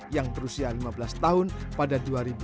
yang berusia lima belas tahun pada dua ribu dua